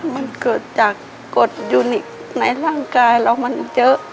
มันเกิดจากกฎยูนิคในร่างกายเรามันเยอะ